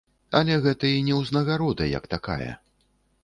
Але гэта і не ўзнагарода як такая.